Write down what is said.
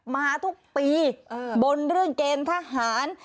มาทุกปีบนเรื่องเกณฑ์ทหาร